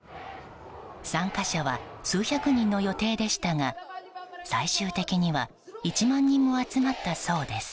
参加者は数百人の予定でしたが最終的には１万人も集まったそうです。